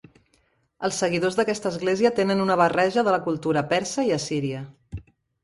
Els seguidors d'aquesta església tenen una barreja de la cultura persa i assíria.